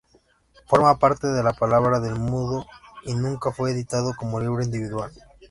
Forma parte de La palabra del mudo y nunca fue editado como libro individual.